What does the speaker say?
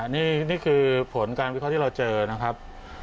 นี่คือผลการวิเคราะห์ที่เราเจอนะครับ